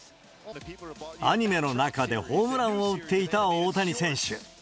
アニメの中でホームランを打っていた大谷選手。